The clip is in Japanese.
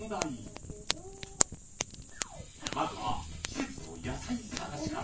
まずは季節の野菜探しから